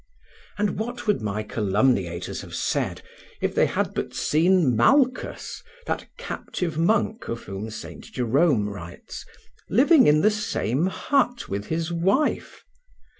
And what would my calumniators have said if they had but seen Malchus, that captive monk of whom St. Jerome writes, living in the same but with his wife?